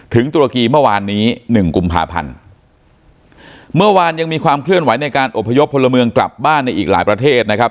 ตุรกีเมื่อวานนี้หนึ่งกุมภาพันธ์เมื่อวานยังมีความเคลื่อนไหวในการอบพยพพลเมืองกลับบ้านในอีกหลายประเทศนะครับ